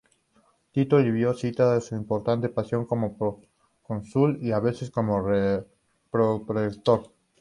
Tito Livio cita su importante posición como procónsul y a veces como propretor.